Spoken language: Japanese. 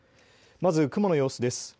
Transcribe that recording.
まず雲の様子です。